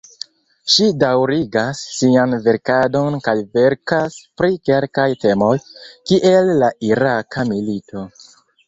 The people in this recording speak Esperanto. Ŝi daŭrigas sian verkadon kaj verkas pri kelkaj temoj, kiel la Iraka milito.